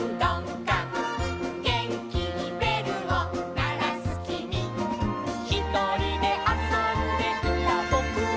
「げんきにべるをならすきみ」「ひとりであそんでいたぼくは」